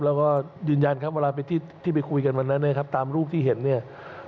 แล้วก็ยืนยันครับเวลาไปที่ไปคุยกันวันนั้นนะครับตามรูปที่เห็นเนี่ย